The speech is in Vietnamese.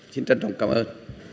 xin trân trọng cảm ơn